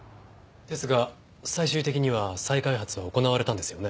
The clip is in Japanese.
ですが最終的には再開発は行われたんですよね？